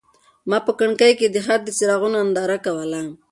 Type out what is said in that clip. ما په کړکۍ کې د ښار د څراغونو ننداره کوله.